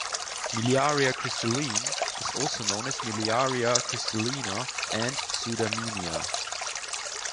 "Miliaria crystalline" is also known as "Miliaria crystallina," and "Sudamina".